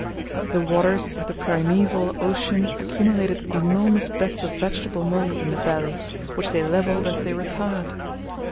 The waters of the primeval ocean accumulated enormous beds of vegetable mould in the valley, which they levelled as they retired.